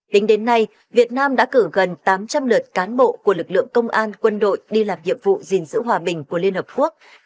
tính đến nay việt nam đã cử gần tám trăm linh lượt cán bộ của lực lượng công an quân đội đi làm nhiệm vụ gìn giữ hòa bình của liên hợp quốc